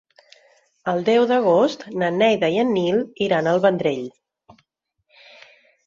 El deu d'agost na Neida i en Nil iran al Vendrell.